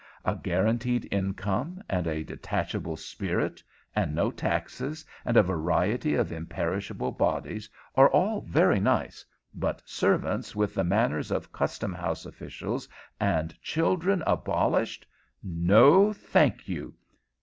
A guaranteed income, and a detachable spirit, and no taxes, and a variety of imperishable bodies are all very nice, but servants with the manners of custom house officials, and children abolished! No, thank you.